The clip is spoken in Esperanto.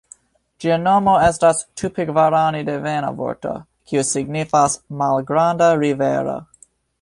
Ĝia nomo estas tupigvarani-devena vorto, kiu signifas "malgranda rivero".